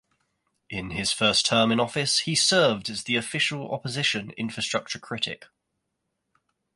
In his first term in office he served as the official opposition Infrastructure critic.